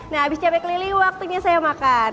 nah habis sampai ke lili waktunya saya makan